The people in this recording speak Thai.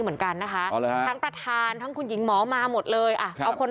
เหมือนกันนะคะทั้งประธานทั้งคุณหญิงหมอมาหมดเลยอ่ะเอาคน